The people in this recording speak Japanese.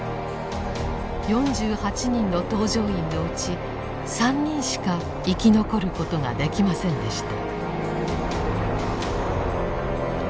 ４８人の搭乗員のうち３人しか生き残ることができませんでした。